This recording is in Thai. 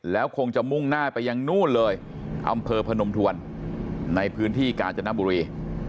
แล้วคงจะมุ่งหน้าไปยังนู่นเลยอำเภอพนมทวนในพื้นที่กาญจนบุรี